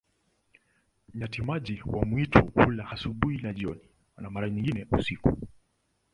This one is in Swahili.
Nyati-maji wa mwitu hula asubuhi na jioni, na mara nyingine usiku.